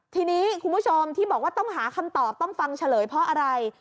ทีนี้คุณผู้ชมที่บอกว่าต้องหาคำตอบต้องฟังเฉลยเพราะอะไร